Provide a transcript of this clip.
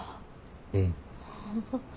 うん。